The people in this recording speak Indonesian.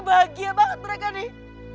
bahagia banget mereka nih